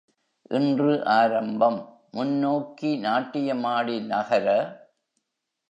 இன்று ஆரம்பம், முன்னோக்கி நாட்டியமாடி நகர.